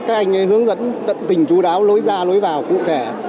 các anh ấy hướng dẫn tỉnh chú đáo lối ra lối vào cụ thể